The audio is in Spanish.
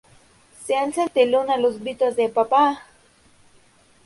Se alza el telón a los gritos de "Papa!